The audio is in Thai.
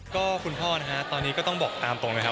ก็คุณพ่อนะฮะตอนนี้ก็ต้องบอกตามตรงเลยครับ